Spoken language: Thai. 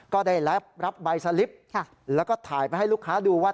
ก็ได้รับใบสลิปแล้วก็ถ่ายไปให้ลูกค้าดูว่า